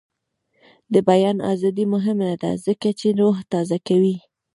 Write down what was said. د بیان ازادي مهمه ده ځکه چې روح تازه کوي.